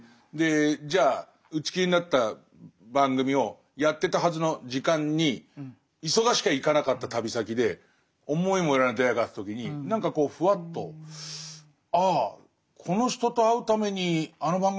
じゃあ打ち切りになった番組をやってたはずの時間に忙しきゃ行かなかった旅先で思いもよらない出会いがあった時に何かこうふわっとああこの人と会うためにあの番組打ち切りになったのかもしれないなみたいな循環は